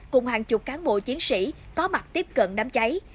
cùng hàng chục cán bộ chiến sĩ có mặt tiếp cận đám cháy